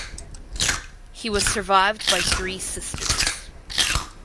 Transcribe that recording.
He was survived by three sisters.